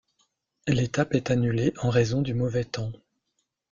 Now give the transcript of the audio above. L'étape est annulée en raison du mauvais temps.